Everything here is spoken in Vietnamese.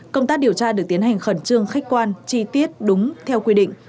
công tác điều tra được tiến hành khẩn trương khách quan chi tiết đúng theo quy định